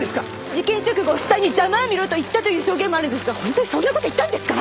事件直後死体に「ざまあみろ」と言ったという証言もあるんですが本当にそんな事言ったんですか！？